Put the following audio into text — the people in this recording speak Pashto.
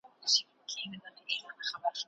د یوه شاعر معشوقه مړه شوه،